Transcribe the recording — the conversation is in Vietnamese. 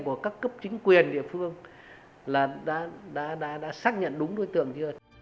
của các cấp chính quyền địa phương là đã xác nhận đúng đối tượng chưa